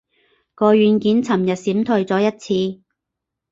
個軟件尋日閃退咗一次